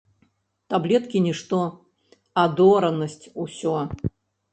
Таблеткі нішто, адоранасць усё.